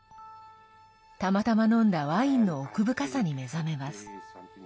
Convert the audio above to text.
たまたま飲んだワインの奥深さに目覚めます。